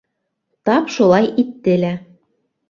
Тап шулай итте лә.